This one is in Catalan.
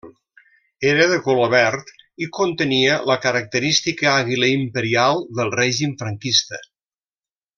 Era de color verd i contenia la característica àguila imperial del règim franquista.